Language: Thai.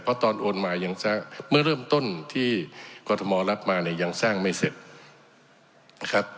เพราะตอนโอนมาเมื่อเริ่มต้นที่กรทมรับมายังสร้างไม่เสร็จ